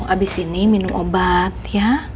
abis ini minum obat ya